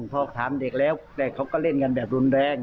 พอถามเด็กแล้วแต่เขาก็เล่นกันแบบรุนแรง